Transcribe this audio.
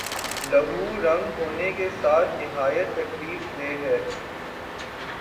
لہو رنگ ہونے کے ساتھ نہایت تکلیف دہ ہے